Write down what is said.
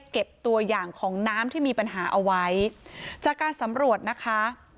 เก็บตัวอย่างของน้ำที่มีปัญหาเอาไว้จากการสำรวจนะคะ